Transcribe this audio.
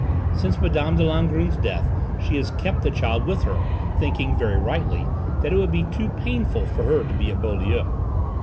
Since Mme. de Langrune's death she has kept the child with her, thinking, very rightly, that it would be too painful for her to be at Beaulieu.